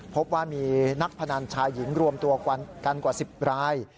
พบว่ามีนักพนันชายหญิงรวมตัวกันกว่า๑๐ราย